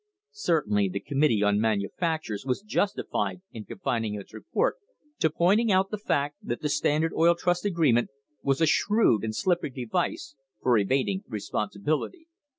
Certainly the Committee on Manufactures was justified in confining its report to pointing out the fact that the Standard Oil Trust agreement was a shrewd and slippery device for evading responsibility.